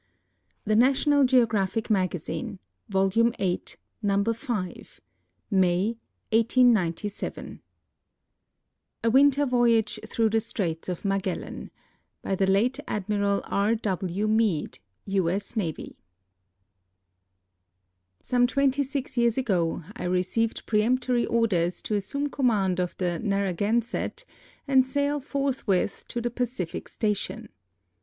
THE National Geographic Magazine Vol. VIII MAY, 1897 N,,. 5 A WINTER VOYAGE THROUGH THE STRAITS OF MAGELLAN* By the late Admiral R. \V. Meade, U. S. X. Some twenty six years ago I received peremptory orders to assume command of the Narrm/dnsett and sail fortliwith to the Pacific station.